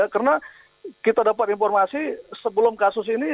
karena kita dapat informasi sebelum kasus ini